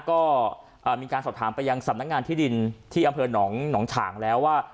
ก็มีการสอบถามไปยังสำนักงานที่ดินที่อำเภอหนองฉางแล้วว่า